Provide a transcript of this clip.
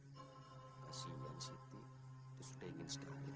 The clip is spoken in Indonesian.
kamu sudah lagi jalan ke jawa ya